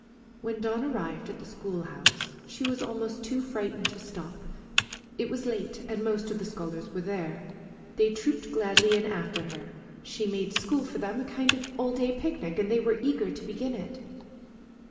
When Dawn arrived at the school house she was almost too frightened to stop. It was late, and most of the scholars were there. They trooped gladly in after her. She had made school for them a kind of all day picnic, and they were eager to begin it.